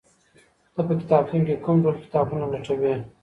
ته په کتابتون کي کوم ډول کتابونه لټوې؟